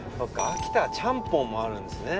秋田はちゃんぽんもあるんですね。